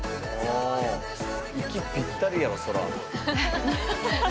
息ぴったりやわそら。